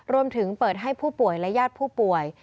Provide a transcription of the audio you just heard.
รวมถึงเปิดให้ผู้ป่วยและญาติผู้ป่วย